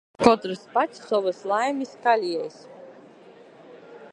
Kotrs pats sovys laimis kaliejs!